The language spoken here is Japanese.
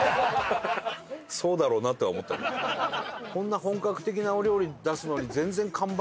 こんな本格的なお料理出すのに。